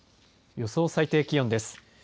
予想最低気温です。